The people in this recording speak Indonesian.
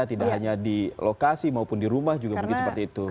tidak hanya di lokasi maupun di rumah juga mungkin seperti itu